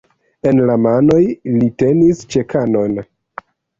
En la manoj li tenis "ĉekanon".